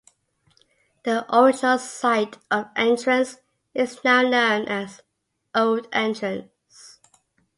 The original site of Entrance is now known as Old Entrance.